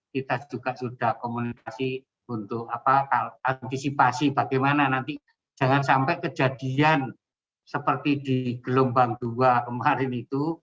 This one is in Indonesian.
kita juga sudah komunikasi untuk antisipasi bagaimana nanti jangan sampai kejadian seperti di gelombang dua kemarin itu